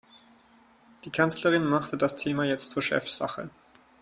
Die Kanzlerin machte das Thema jetzt zur Chefsache.